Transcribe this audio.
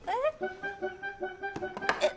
えっ？